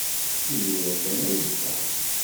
Imir-a kan ay yeffeɣ.